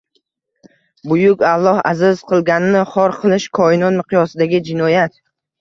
Buyuk Alloh aziz qilganni xor qilish – Koinot miqyosidagi jinoyat.